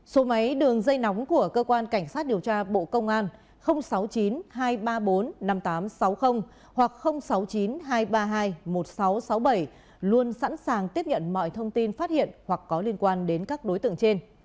số máy đường dây nóng của cơ quan cảnh sát điều tra bộ công an sáu mươi chín hai trăm ba mươi bốn năm nghìn tám trăm sáu mươi hoặc sáu mươi chín hai trăm ba mươi hai một nghìn sáu trăm sáu mươi bảy luôn sẵn sàng tiếp nhận mọi thông tin phát hiện hoặc có liên quan đến các đối tượng trên